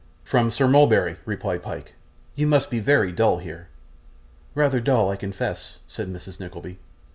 'From Sir Mulberry,' replied Pyke. 'You must be very dull here.' 'Rather dull, I confess,' said Mrs. Nickleby.